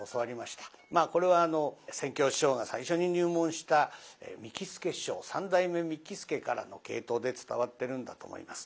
これは扇橋師匠が最初に入門した三木助師匠三代目三木助からの系統で伝わってるんだと思います。